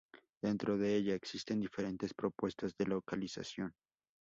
Dentro de ella, existen diferentes propuestas de localización.